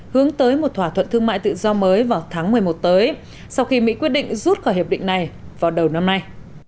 hướng tới một thỏa thuận thương mại tự do mới vào tháng một mươi một tới sau khi mỹ quyết định rút khỏi hiệp định này vào đầu năm nay